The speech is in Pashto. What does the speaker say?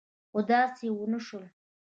خو داسې ونه شول.